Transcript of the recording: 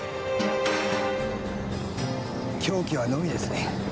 凶器はのみですね。